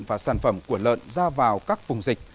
và sản phẩm của lợn ra vào các vùng dịch